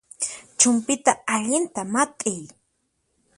Chumpyta allinta mat'iy